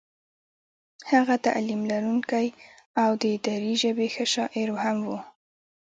هغه تعلیم لرونکی او د دري ژبې ښه شاعر هم و.